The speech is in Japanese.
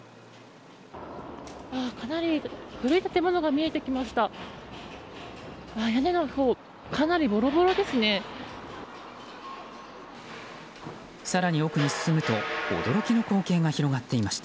かなり古い建物が見えてきました。